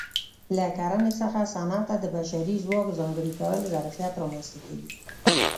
له کرنې څخه صنعت ته د بشري ځواک ځانګړي کول ظرفیت رامنځته کوي